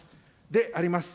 であります。